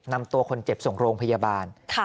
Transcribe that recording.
นำตัวคนเจ็บส่งโรงพยาบาล